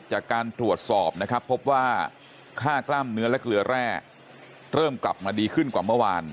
จากการตรวจสอบนะครับพบว่าค่ากล้ามเนื้อและเกลือแร่เริ่มกลับมาดีขึ้นกว่าเมื่อวาน